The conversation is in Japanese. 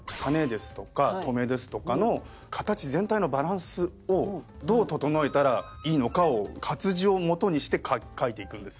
ですとか「とめ」ですとかの形全体のバランスをどう整えたらいいのかを活字をもとにして書いていくんです。